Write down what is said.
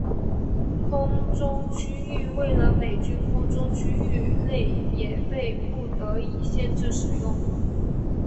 空中区域为了美军空中区域内也被不得已限制使用。